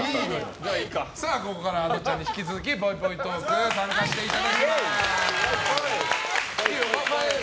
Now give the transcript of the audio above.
ここからあのちゃんに引き続きぽいぽいトーク参加していただきます。